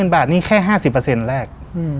๓๐๐๐๐บาทนี่แค่๕๐แรก